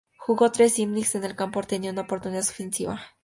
Jugó tres innings en el campo, teniendo una oportunidad en la ofensiva.